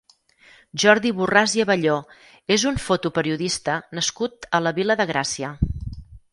Jordi Borràs i Abelló és un fotoperiodista nascut a la Vila de Gràcia.